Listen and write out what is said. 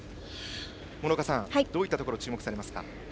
諸岡さん、どういったところに注目されますか？